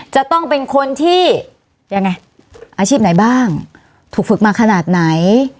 จะต้องเป็นคนที่ยังไงอาชีพไหนบ้างถูกฝึกมาขนาดไหน